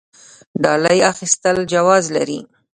ډالۍ اخیستل جواز لري؟